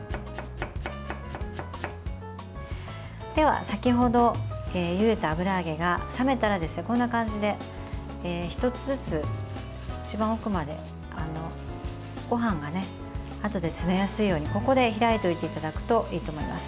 では先程ゆでた油揚げが冷めたらこんな感じで１つずつ一番奥までごはんがあとで詰めやすいようにここで開いておいていただくといいと思います。